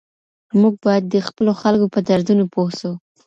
موږ باید د خپلو خلګو په دردونو پوه سو.